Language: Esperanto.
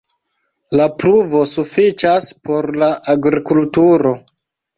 La pluvo sufiĉas por la agrikulturo.